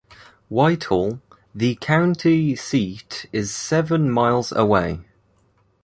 Whitehall, the county seat, is seven miles away.